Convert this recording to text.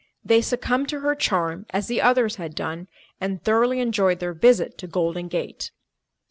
They succumbed to her charm, as the others had done, and thoroughly enjoyed their visit to Golden Gate.